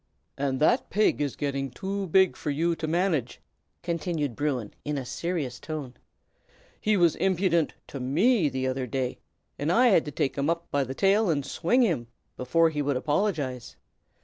"And that pig is getting too big for you to manage," continued Bruin, in a serious tone. "He was impudent to me the other day, and I had to take him up by the tail and swing him, before he would apologize.